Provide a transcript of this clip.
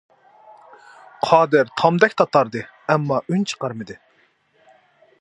قادىر تامدەك تاتاردى، ئەمما ئۈن چىقمىدى.